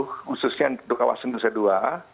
khususnya untuk kawasan nusa dua